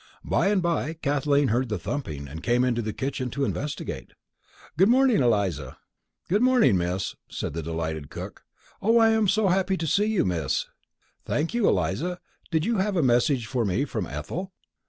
By and by Kathleen heard the thumping, and came into the kitchen to investigate. "Good morning, Eliza." "Good morning, Miss," said the delighted cook. "Oh, I am so happy to see you, Miss!" "Thank you, Eliza. Did you have a message for me from Ethel?"